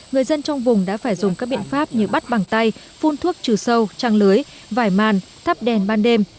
người dân trong vùng đã phải dùng các biện pháp như bắt bằng tay phun thuốc trừ sâu trang lưới vải màn thắp đèn ban đêm